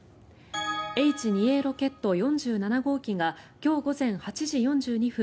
Ｈ２Ａロケット４７号機が今日午前８時４２分